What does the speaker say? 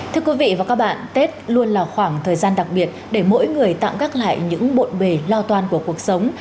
thưa quý vị và các bạn tết luôn là khoảng thời gian đặc biệt để mỗi người tặng gác lại những bộn bề lo toan của cuộc sống